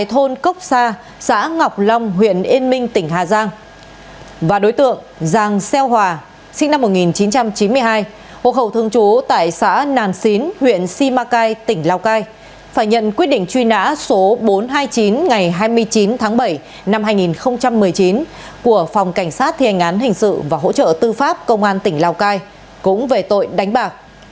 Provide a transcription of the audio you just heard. hộ khẩu thương chú tại xã nàn xín huyện si ma cai tỉnh lào cai phải nhận quyết định truy nã số bốn trăm hai mươi chín ngày hai mươi chín tháng bảy năm hai nghìn một mươi chín của phòng cảnh sát thiên án hình sự và hỗ trợ tư pháp công an tỉnh lào cai cũng về tội đánh bạc